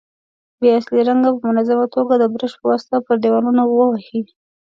بیا اصلي رنګ په منظمه توګه د برش په واسطه پر دېوالونو ووهئ.